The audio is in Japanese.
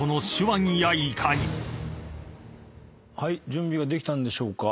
準備ができたんでしょうか？